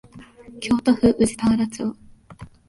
京都府宇治田原町